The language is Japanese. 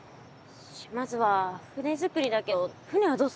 まずは船作りだけど船はどうする？